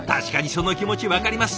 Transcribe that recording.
その気持ち分かります。